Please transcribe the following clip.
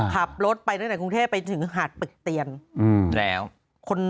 ขับรถไปตั้งแต่กรุงเทพไปถึงหาดปึกเตียนแล้ว